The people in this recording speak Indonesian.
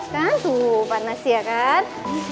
kan tuh panas ya kan